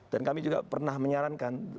dan kami juga pernah menyarankan